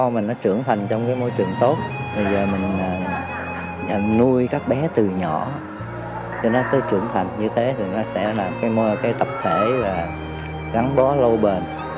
chúng ta thấy con mình nó trưởng thành trong môi trường tốt bây giờ mình nuôi các bé từ nhỏ cho nó tới trưởng thành như thế thì nó sẽ là một cái tập thể gắn bó lâu bền